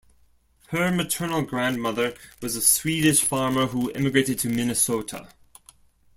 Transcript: Her maternal grandmother was a Swedish farmer who emigrated to Minnesota.